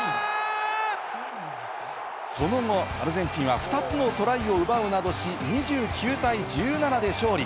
その後、アルゼンチンは２つのトライを奪うなどし、２９対１７で勝利。